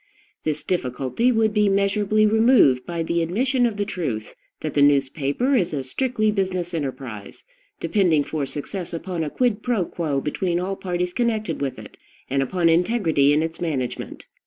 This difficulty would be measurably removed by the admission of the truth that the newspaper is a strictly business enterprise, depending for success upon a 'quid pro quo' between all parties connected with it, and upon integrity in its management.